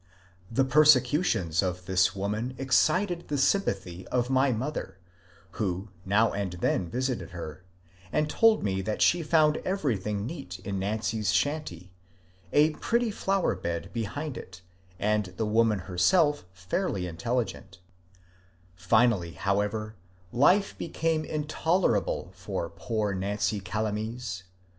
The per secutions of this woman excited the sympathy of my mother, who now and then visited her, and told me that she found everything neat in Nancy's shanty, a pretty flower bed behind it, and the woman herself fairly intelligent Finally, however, life became intolerable for poor Nancy Calamese.